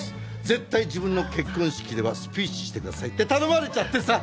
「絶対自分の結婚式ではスピーチしてください」って頼まれちゃってさ！